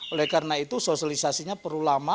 oleh karena itu sosialisasinya perlu lama